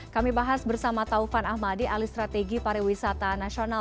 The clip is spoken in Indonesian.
kami bahas bersama taufan ahmadi alistrategi pariwisata nasional